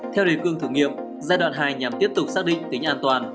theo đề cương thử nghiệm giai đoạn hai nhằm tiếp tục xác định tính an toàn